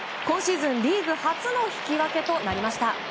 今シーズンリーグ初の引き分けとなりました。